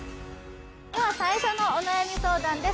では最初のお悩み相談です